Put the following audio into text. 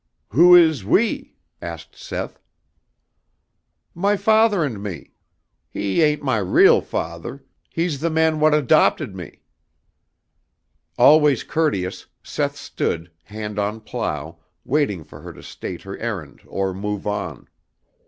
"Who is we?" asked Seth. "My father and me. He ain't my real father. He's the man what adopted me." Always courteous, Seth stood, hand on plough, waiting for her to state her errand or move on.